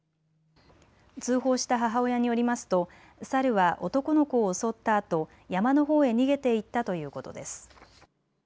通報した母親によりますとサルは男の子を襲ったあと山のほうへ逃げていったということです。